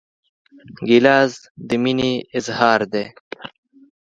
ګیلاس د مینې اظهار دی.